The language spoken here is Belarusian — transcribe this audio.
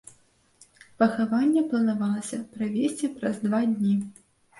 Пахаванне планавалася правесці праз два дні.